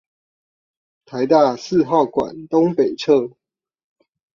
臺大四號館東北側